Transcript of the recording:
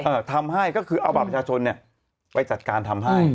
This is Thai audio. เอ่อทำให้ก็คือเอาบัตรประชาชนเนี้ยไปจัดการทำให้